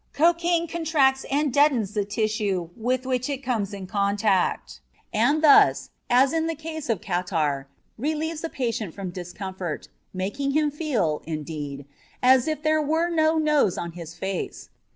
Cocaine contracts and deadens the tissue with which it comes in contact, and thus, as in the case of catarrh, relieves the patient from discomfort, making him feel, indeed, as if there were no nose on his face.